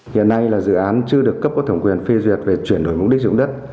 hiện nay là dự án chưa được cấp có thẩm quyền phê duyệt về chuyển đổi mục đích dụng đất